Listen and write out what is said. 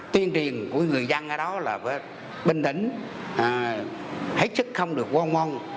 tiến truyền của người dân ở đó là bình tĩnh hết sức không được quân mong